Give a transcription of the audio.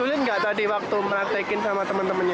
sulit nggak tadi waktu meratekin sama teman temannya